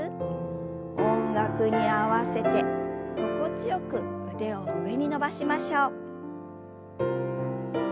音楽に合わせて心地よく腕を上に伸ばしましょう。